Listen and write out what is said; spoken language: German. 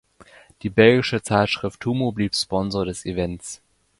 Die belgische Zeitschrift "Humo" blieb Sponsor des Events.